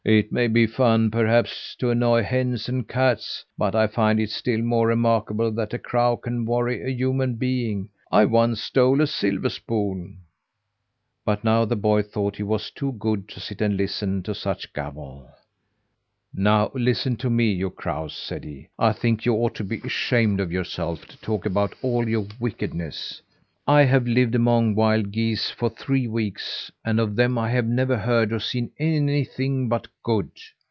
"It may be fun, perhaps, to annoy hens and cats, but I find it still more remarkable that a crow can worry a human being. I once stole a silver spoon " But now the boy thought he was too good to sit and listen to such gabble. "Now listen to me, you crows!" said he. "I think you ought to be ashamed of yourselves to talk about all your wickedness. I have lived amongst wild geese for three weeks, and of them I have never heard or seen anything but good.